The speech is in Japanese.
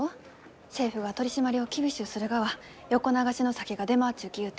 政府が取締りを厳しゅうするがは横流しの酒が出回っちゅうきゆうて。